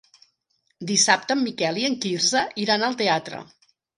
Dissabte en Miquel i en Quirze iran al teatre.